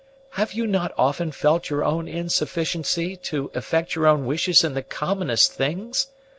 Have you not often felt your own insufficiency to effect your own wishes in the commonest things?